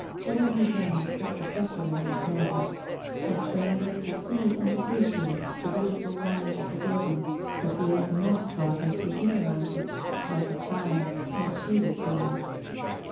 Jeremy Dand, her professor in these matters, had trained her to see and appreciate the beautiful lines of the building, but he had not taught her to humanize it, like a child, as she was doing.